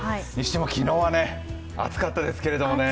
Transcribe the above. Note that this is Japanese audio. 昨日はね、暑かったですけどもね。